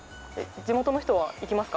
地元の人は行きますか？